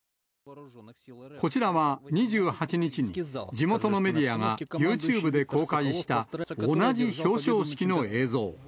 こちらは、２８日に地元のメディアがユーチューブで公開した、同じ表彰式の映像。